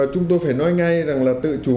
chúng tôi phải nói ngay rằng là tự chủ